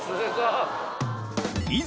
いざ